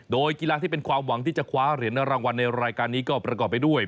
โดยกีฬาที่เป็นความหวังที่จะคว้าเหรียญรางวัลในรายการนี้ก็ประกอบไปด้วย